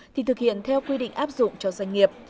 thì thực hiện theo quy định áp dụng cho doanh nghiệp